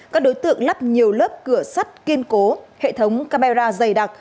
các đối tượng lắp nhiều lớp cửa sắt kiên cố hệ thống camera dày đặc